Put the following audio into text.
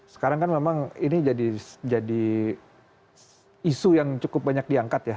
sekarang kan memang ini jadi isu yang cukup banyak diangkat ya